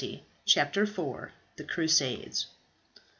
CHAPTER IV. THE CRUSADES.